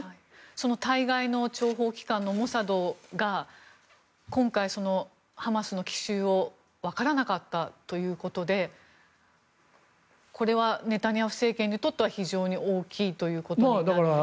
その対外機関の諜報機関のモサドが今回、ハマスの奇襲をわからなかったということでこれはネタニヤフ政権にとっては非常に大きいということになるんでしょうか。